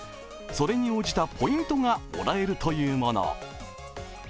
それに応じたポイントがもらえるというもの。